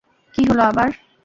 কী হলো আবার?